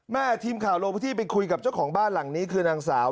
ทีมข่าวลงพื้นที่ไปคุยกับเจ้าของบ้านหลังนี้คือนางสาว